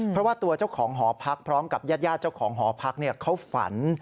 เพราะว่าตัวเจ้าของหอพักพร้อมกับญาติเจ้าของหอพักเขาฝัน